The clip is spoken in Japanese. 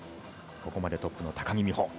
ここまでトップの高木美帆。